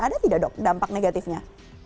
ada tidak dok dampak negatifnya